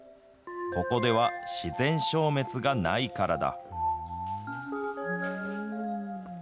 ここでは自然消滅がないからだ。